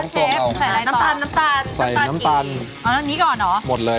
ก็เปลี่ยนสีปุ๊บกลิ่นหอมเลย